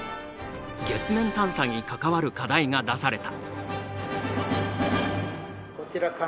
月面探査に関わる課題が出された。